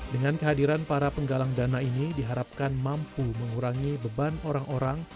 dengan kehadiran para penggalang dana ini diharapkan mampu mengurangi beban orang orang